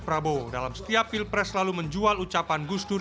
pak prabowo dalam setiap pilpres selalu menjual ucapan gusdur